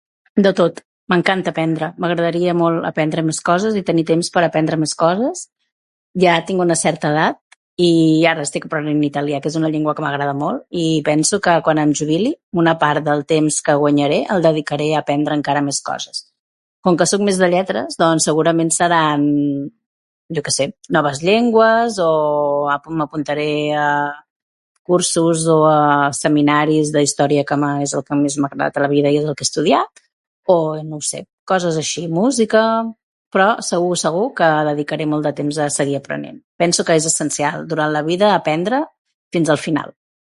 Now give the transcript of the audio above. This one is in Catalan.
De tot. M'encanta aprendre. M'agradaria molt aprendre més coses i tenir temps per aprendre més coses. Ja tinc una certa edat i, ara estic aprenent italià, que és una llengua que m'agrada molt i, penso que, quan em jubili, una part del temps que guanyaré el dedicaré a aprendre encara més coses. Com que soc més de lletres, doncs, segurament seran, jo que sé, noves llengües o, m'apuntaré a cursos o a seminaris d'història que m'ha és el que més m'ha agradat a la vida i és el que he estudiat o eh, no ho sé, coses així: música... Però, segur, segur que dedicaré molt de temps a seguir aprenent. Penso que és essencial durant la vida aprendre fins al final.